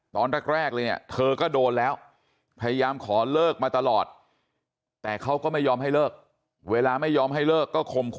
ตอนแรกเลยเนี่ยเธอก็โดนแล้วพยายามขอเลิกมาตลอดแต่เขาก็ไม่ยอมให้เลิกเวลาไม่ยอมให้เลิกก็คม